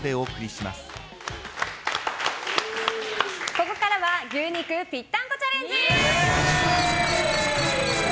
ここからは牛肉ぴったんこチャレンジ！